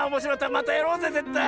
またやろうぜぜったい！